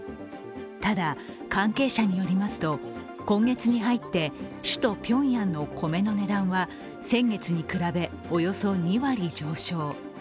ただ、関係者によりますと今月に入って、首都ピョンヤンの米の値段は先月に比べ、およそ２割上昇。